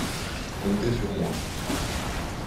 Comptez sur moi.